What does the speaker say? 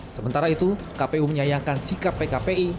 sementara itu kpu menyayangkan sikap pkpi